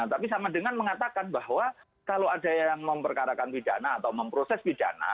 tapi sama dengan mengatakan bahwa kalau ada yang memperkarakan pidana atau memproses pidana